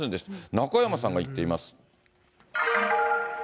中山さんが行っています。